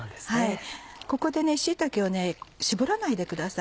ここで椎茸を絞らないでください。